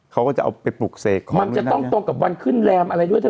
เขาก็จะเอาไปปลุกเสกมันจะต้องตรงกับวันขึ้นแรมอะไรด้วยเธอ